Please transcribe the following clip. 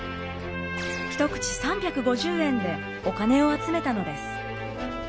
一口３５０円でお金を集めたのです。